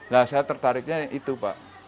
nah saya tertariknya itu pak